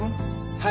はい。